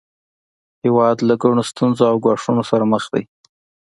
هیواد له ګڼو ستونزو او ګواښونو سره مخ دی